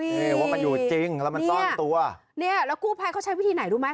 นี่ว่ามันอยู่จริงแล้วมันซ่อนตัวเนี่ยแล้วกู้ภัยเขาใช้วิธีไหนรู้ไหม